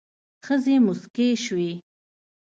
ښځې موسکې شوې.